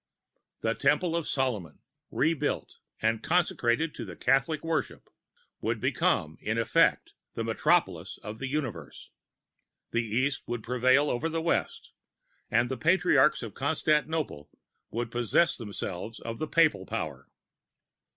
The Temple of Solomon, re built and consecrated to the Catholic worship would become, in effect, the Metropolis of the Universe; the East would prevail over the West, and the Patriarchs of Constantinople would possess themselves of the Papal power.